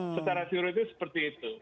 setara siur itu seperti itu